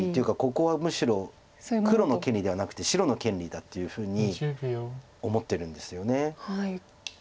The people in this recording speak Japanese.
ここはむしろ黒の権利ではなくて白の権利だっていうふうに思ってるんですよね。